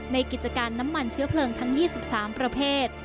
กิจการน้ำมันเชื้อเพลิงทั้ง๒๓ประเภท